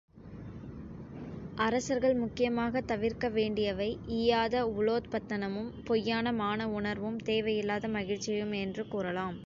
அரசர்கள் முக்கியமாகத் தவிர்க்க வேண்டியவை ஈயாத உலோபத்தனமும், பொய்யான மான உணர்வும், தேவை இல்லாத மகிழ்ச்சியும் என்று கூறலாம்.